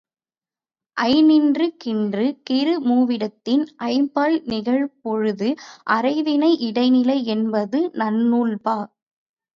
ஆநின்று கின்று கிறு மூவிடத்தின் ஐம்பால் நிகழ்பொழுது அறைவினை இடைநிலை என்பது நன்னூல்பா.